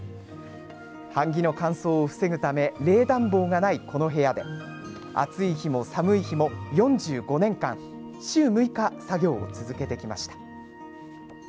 版木の乾燥を防ぐため冷暖房がない、この部屋で暑い日も寒い日も４５年間週６日、作業を続けてきました。